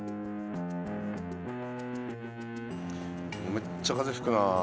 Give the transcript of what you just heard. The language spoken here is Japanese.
めっちゃ風吹くな。